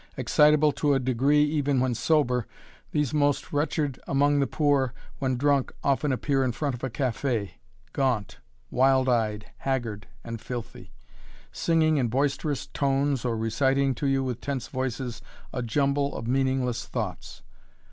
Excitable to a degree even when sober, these most wretched among the poor when drunk often appear in front of a café gaunt, wild eyed, haggard, and filthy singing in boisterous tones or reciting to you with tense voices a jumble of meaningless thoughts.